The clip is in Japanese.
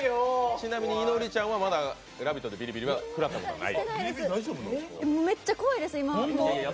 ちなみに、いのりちゃんはまだ「ラヴィット！」のビリビリは体験してない。